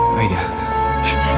maulimu chapter buying